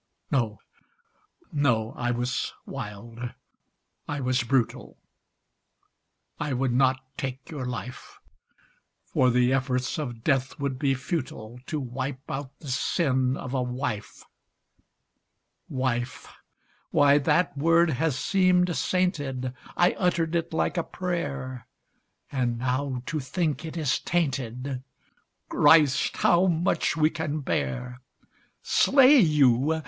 No, no, I was wild, I was brutal; I would not take your life, For the efforts of death would be futile To wipe out the sin of a wife. Wife why, that word has seemed sainted I uttered it like a prayer; And now to think it is tainted Christ! how much we can bear! "Slay you!"